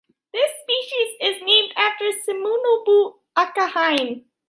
This species is named after Suminobu Akahane.